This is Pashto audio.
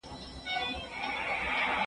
يار دي مي تور جت وي، زما دي اسراحت وي.